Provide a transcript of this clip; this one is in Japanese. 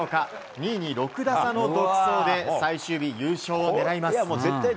２位に６打差の独走で最終日優勝を狙います。